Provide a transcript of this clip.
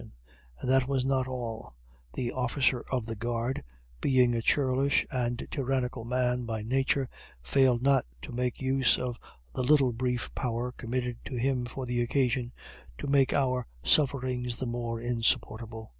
And that was not all: the officer of the guard, being a churlish and tyranical man by nature, failed not to make use of the little brief power committed to him for the occasion, to make our sufferings the more insupportable.